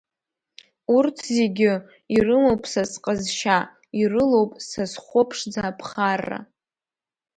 Урҭзегьы ирымоуп са сҟазшьа, ирылоуп са схәыԥшӡа аԥхарра.